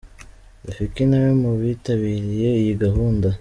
Rafiki nawe ari mu bitabiriye iyi gahunda.